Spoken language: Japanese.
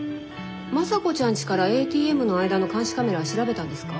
まさこちゃんちからＡＴＭの間の監視カメラは調べたんですか？